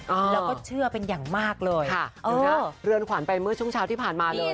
อ่าแล้วก็เชื่อเป็นอย่างมากเลยค่ะดูนะเรือนขวัญไปเมื่อช่วงเช้าที่ผ่านมาเลย